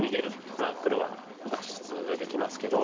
黒は脱出できますけど。